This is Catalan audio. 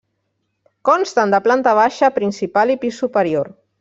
Consten de planta baixa, principal i pis superior.